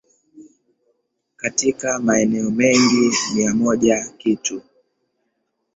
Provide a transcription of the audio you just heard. katika maeneo mengi mia moja kitu